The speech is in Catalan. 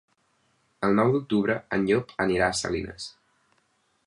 El nou d'octubre en Llop anirà a Salines.